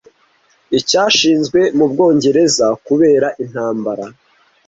Icyashinzwe mu Bwongereza kubera intambara